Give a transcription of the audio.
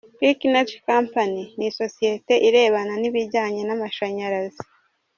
–« Peak Energy Company », ni isosiyete irebana n’ibijyanye n’amashanyarazi ;